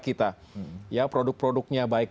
kita produk produknya baik